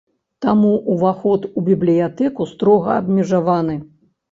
Таму ўваход у бібліятэку строга абмежаваны.